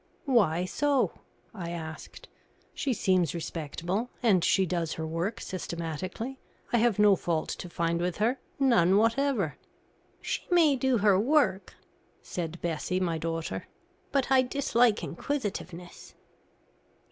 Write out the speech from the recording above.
"Why so?" I asked. "She seems respectable, and she does her work systematically. I have no fault to find with her, none whatever." "She may do her work," said Bessie, my daughter, "but I dislike inquisitiveness."